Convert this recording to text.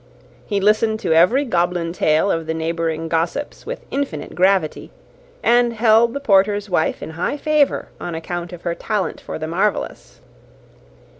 He listened to every goblin tale of the neighbouring gossips with infinite gravity, and held the porter's wife in high favour on account of her talent for the marvellous.